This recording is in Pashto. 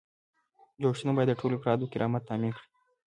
جوړښتونه باید د ټولو افرادو کرامت تامین کړي.